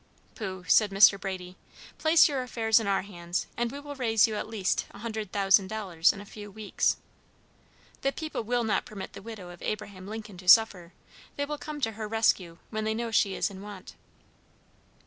"Pooh," said Mr. Brady, "place your affairs in our hands, and we will raise you at least $100,000 in a few weeks. The people will not permit the widow of Abraham Lincoln to suffer; they will come to her rescue when they know she is in want."